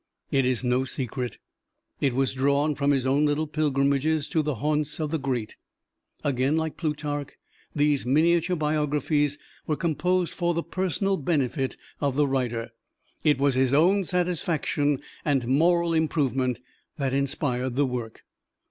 It is no secret. It was drawn from his own little pilgrimages to the haunts of the great. Again like Plutarch, these miniature biographies were composed for the personal benefit of the writer. It was his own satisfaction and moral improvement that inspired the work.